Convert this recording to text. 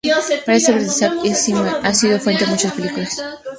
Varias obras de Isaac Asimov han sido la fuente de muchas películas.